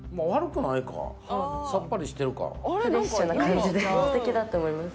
フレッシュな感じで素敵だと思います。